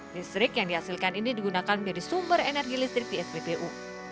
listrik yang dihasilkan ini digunakan menjadi sumber energi listrik di spbu